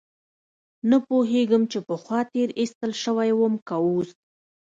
نه پوهېدم چې پخوا تېر ايستل سوى وم که اوس.